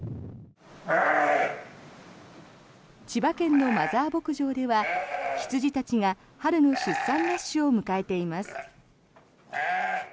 千葉県のマザー牧場では羊たちが春の出産ラッシュを迎えています。